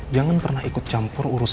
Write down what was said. jangan pernah ikut campur urusan